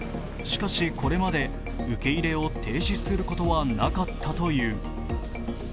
しかしこれまで、受け入れを停止することはなかったという。